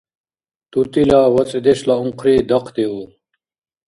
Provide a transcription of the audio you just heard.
ТӀутӀила ва цӀедешла унхъри дахъдиур.